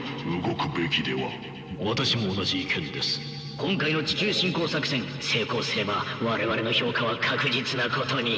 今回の地球侵攻作戦成功すれば我々の評価は確実なことに。